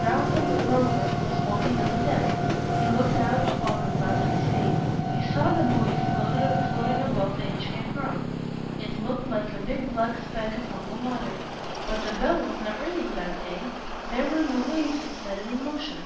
Ralph the Rover was walking on the deck. He looked out upon the glassy sea. He saw the buoy floating above the Inchcape Rock. It looked like a big black speck upon the water. But the bell was not ringing that day. There were no waves to set it in motion.